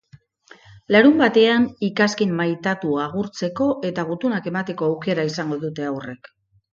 Larunbatean, ikazkin maitatua agurtzeko eta gutunak emateko aukera izango dute haurrek.